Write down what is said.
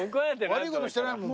悪いことしてないもん。